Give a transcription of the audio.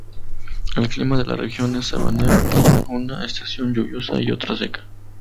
El clima de la región es sabanero, con una estación lluviosa y otra seca.